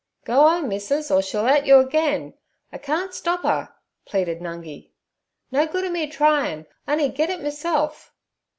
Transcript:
'Go 'ome, missus, or she'll 'it yur again. I can't stop 'er' pleaded Nungi—'no good ov me tryin'; on'y get it meself.'